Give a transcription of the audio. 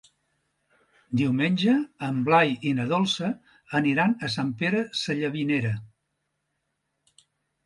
Diumenge en Blai i na Dolça aniran a Sant Pere Sallavinera.